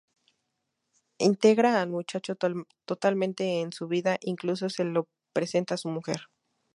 Integra al muchacho totalmente en su vida, incluso se lo presenta a su mujer.